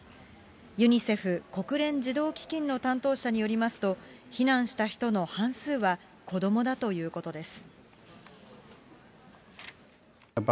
ユニセフ・国連児童基金の担当者によりますと、避難した人の半数は子どもだということです。